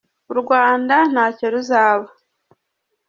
U Rwanda ntacyo ruzaba